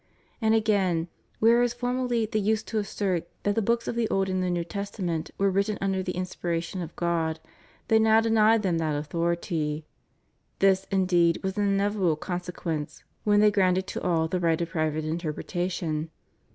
And again, whereas formerly they used to assert that the books of the Old and the New Testament were written under the inspiration of God, they now deny them that authority: this, indeed, was an inevitable con sequence when they granted to all the right of pri s'ate interpretation.